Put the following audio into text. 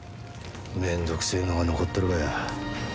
めんどくせえのが残っとるがや。